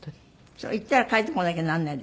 それ行ったら帰ってこなきゃならないですからね。